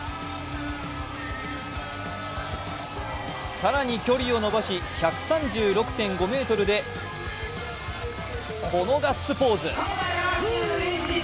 更に距離をのばし、１３６．５ｍでこのガッツポーズ！